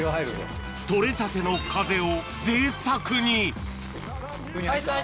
取れたてのカゼをぜいたくに相当。